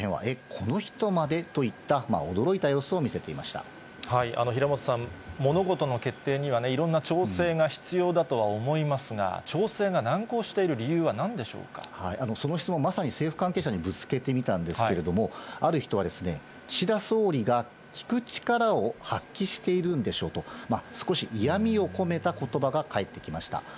この人までといった、平本さん、物事の決定にはいろんな調整が必要だとは思いますが、調整が難航その質問、まさに政府関係者にぶつけてみたんですけれども、ある人は、岸田総理が聞く力を発揮しているんでしょうと、少し嫌みを込めたことばが返ってきました。